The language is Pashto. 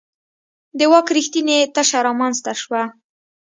د واک رښتینې تشه رامنځته شوه.